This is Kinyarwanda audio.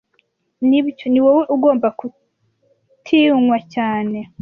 nibyo ni wowe ugomba gutinywa cyane